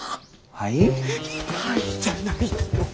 「はい？」じゃないだろ